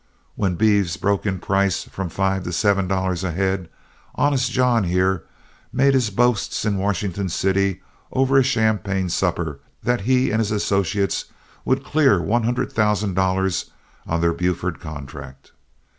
When beeves broke in price from five to seven dollars a head, Honest John, here, made his boasts in Washington City over a champagne supper that he and his associates would clear one hundred thousand dollars on their Buford contract.